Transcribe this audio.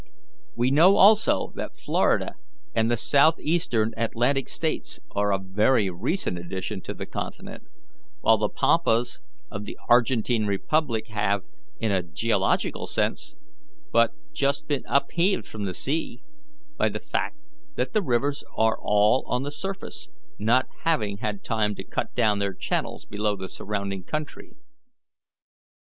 We know also that Florida and the Southeastern Atlantic States are a very recent addition to the continent, while the pampas of the Argentine Republic have, in a geological sense, but just been upheaved from the sea, by the fact that the rivers are all on the surface, not having had time to cut down their channels below the surrounding country.